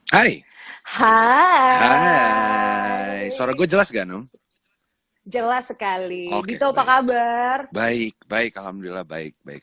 hai hai hai suara gue jelas ganum jelas sekali gitu apa kabar baik baik alhamdulillah baik baik